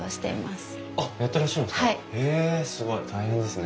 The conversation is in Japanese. へえすごい大変ですね。